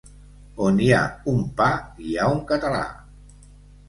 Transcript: On hi ha un pa hi ha un català.